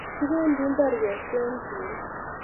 Kibendi imbar keswen tuka